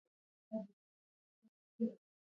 د ګاډي د برېک دے